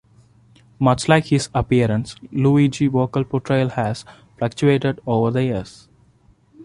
Much like his appearance, Luigi's vocal portrayal has fluctuated over the years.